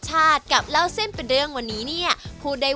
ปากไว้ด้วยครับ